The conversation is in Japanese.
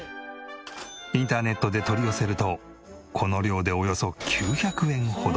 インターネットで取り寄せるとこの量でおよそ９００円ほど。